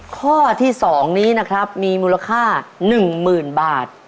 ข้อที่๒นี้นะครับมีมูลค่า๑๐๐๐บาท